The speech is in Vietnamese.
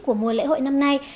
của mùa lễ hội năm nay